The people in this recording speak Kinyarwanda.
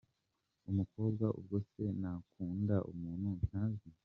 Umukobwa : Ubwo se nakunda umuntu ntazi ?.